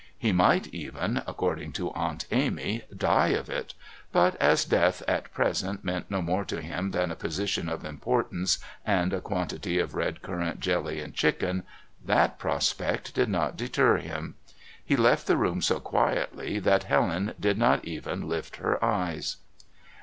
He might even, according to Aunt Amy, die of it, but as death at present meant no more to him than a position of importance and a quantity of red currant jelly and chicken, THAT prospect did not deter him. He left the room so quietly that Helen did not even lift her eyes.